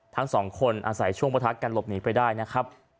ทั้งสองคนอาศัยช่วงประทักกันหลบหนีไปได้นะครับ